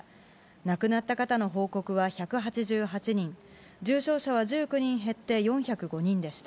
亡くなった方の報告は１８８人、重症者は１９人減って４０５人でした。